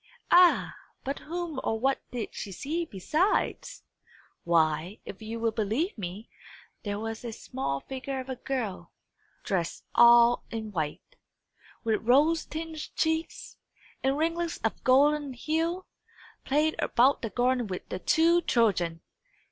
Ah, but whom or what did she see besides? Why, if you will believe me, there was a small figure of a girl, dressed all in white, with rose tinged cheeks and ringlets of golden hue, playing about the garden with the two children!